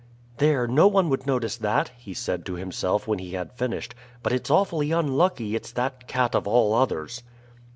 "There, no one would notice that," he said to himself when he had finished; "but it's awfully unlucky it's that cat of all others."